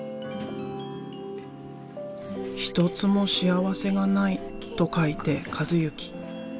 「一つも幸せがない」と書いて「一幸」。